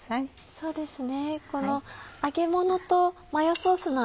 そうですね。